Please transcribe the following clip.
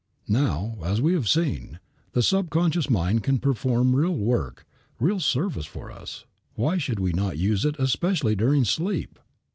Now, if, as we have seen, the subconscious mind can perform real work, real service for us, why should we not use it especially during sleep?